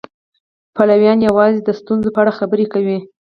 پلویان یې یوازې د ستونزو په اړه خبرې کوي.